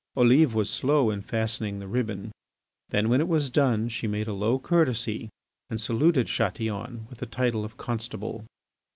Olive was slow in fastening the ribbon. Then when it was done she made a low courtesy and saluted Chatillon with the title of Constable.